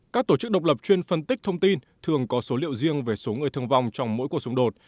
các tổ chức độc lập chuyên phân tích thông tin thường có số liệu riêng về số người thương vong trong mỗi cuộc xung đột